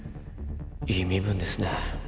いい身分ですね